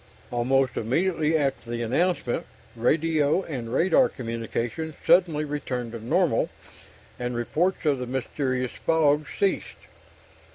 Almost immediately after the announcement, radio and radar communications suddenly returned to normal, and reports of the mysterious fogs ceased.